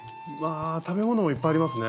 食べ物もいっぱいありますね